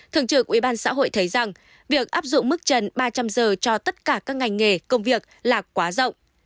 thường trực ubnd xã hội thấy rằng việc áp dụng mức trần ba trăm linh giờ cho tất cả các ngành nghề công việc là quá rộng